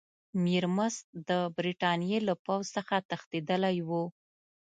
میرمست د برټانیې له پوځ څخه تښتېدلی وو.